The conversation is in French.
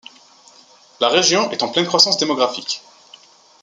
La région est en pleine croissance démographique.